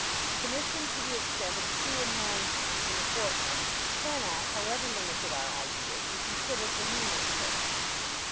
Commission to the extent of two and ninepence in a fortnight cannot, however limited our ideas, be considered remunerative.